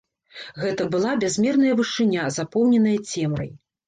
Гэта была бязмерная вышыня, запоўненая цемрай.